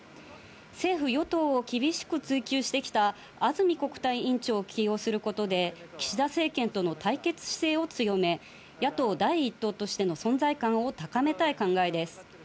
政府・与党を厳しく追及してきた安住国対委員長を起用することで、岸田政権との対決姿勢を強め、野党第１党としての存在感を高めたい考えです。